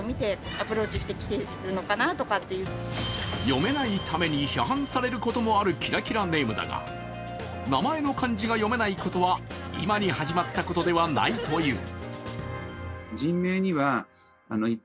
読めないために批判されることもあるキラキラネームだが、名前の漢字が読めないことは今に始まったことではないという。